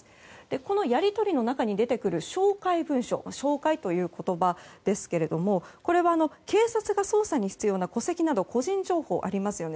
このやり取りの中に出てくる照会文書照会という言葉ですけれどもこれは警察が捜査に必要な戸籍など個人情報がありますよね。